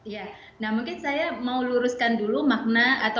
ya nah mungkin saya mau luruskan dulu makna atau